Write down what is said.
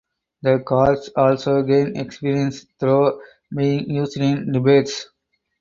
The cards also gain experience through being used in debates.